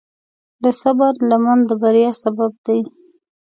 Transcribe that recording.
د صبر لمن د بریا سبب دی.